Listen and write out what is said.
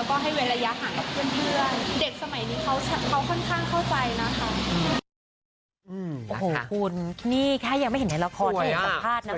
โอ้โหคุณนี่แค่ยังไม่เห็นในละครเห็นประพาทนะ